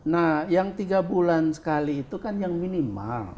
nah yang tiga bulan sekali itu kan yang minimal